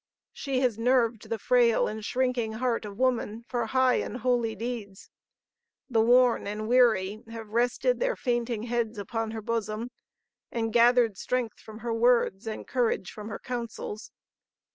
She has nerved the frail and shrinking heart of woman for high and holy deeds. The worn and weary have rested their fainting heads upon her bosom, and gathered strength from her words and courage from her counsels.